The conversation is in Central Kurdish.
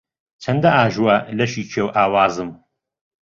چەندە ئاژوا لەشی کێو ئاوازم